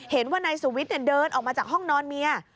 เห็นว่านายสุวิทย์เดินออกมาจากห้องนอนเมีย